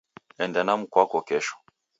Enda na mkwako kesho